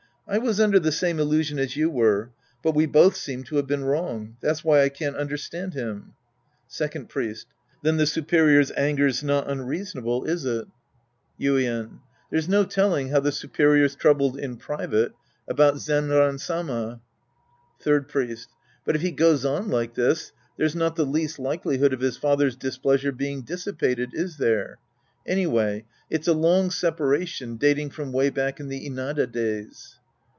I was under the same illusion as you were. But we both seem to have been wrong. That's why I can't understand him. Second Priest. Then the superior's anger's not unreasonable, is it ? 64 The Priest and His Disciples Act II Yuien. There's no telling how the superior's troubled in private about 7.tax2L.v\. Sama. Third Priest. But if he goes on like this, there's not the least likelihood of his father's displeasure being dissipated, is there ? Anyway it's a long sepa ration dating from way back in the Inada days.